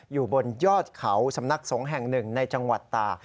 อยู่บนยอดเขาสำนักสงฆ์แห่งหนึ่งในจังหวัดตา